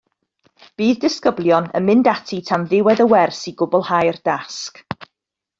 Bydd disgyblion yn mynd ati tan ddiwedd y wers i gwblhau'r dasg.